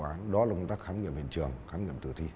tôi tin đó là công tác khám nghiệm hiện trường